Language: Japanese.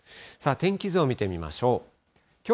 天気図を見てみましょう。